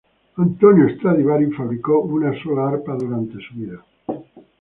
Antonio Stradivari fabricó una sola arpa durante su vida.